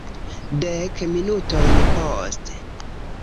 Dek minutojn poste.